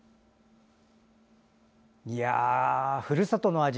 ふるさとの味